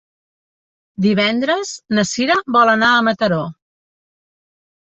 Divendres na Cira vol anar a Mataró.